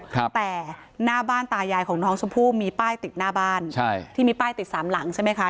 ครับแต่หน้าบ้านตายายของน้องชมพู่มีป้ายติดหน้าบ้านใช่ที่มีป้ายติดสามหลังใช่ไหมคะ